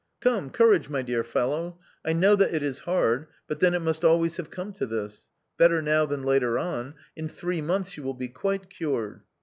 " Come, courage, my dear fellow, I know that it is hard, but then it must always have to come to this. Better now than later on ; in three months you will be quite cured."